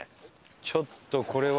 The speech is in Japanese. ちょっとこれは。